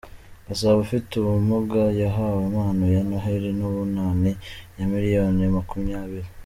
Gasabo Ufite ubumuga yahawe impano ya Noheli n’Ubunani ya miliyoni makumyabiri